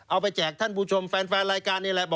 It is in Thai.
แจกท่านผู้ชมแฟนรายการนี่แหละ